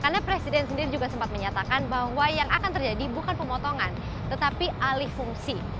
karena presiden sendiri juga sempat menyatakan bahwa yang akan terjadi bukan pemotongan tetapi alih fungsi